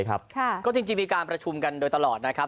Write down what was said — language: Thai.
ก็จริงมีการประชุมกันโดยตลอดนะครับ